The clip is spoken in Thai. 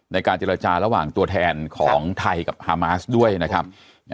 ในการเจรจาระหว่างตัวแทนของไทยกับฮามาสด้วยนะครับ